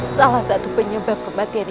salah satu penyebab kematian